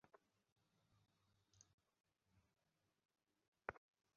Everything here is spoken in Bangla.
তবে নতুন যারা এসেছে, ওরা সেই অভাব পূরণ করতে পারে ভালোভাবেই।